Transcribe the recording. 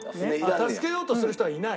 助けようとする人はいない？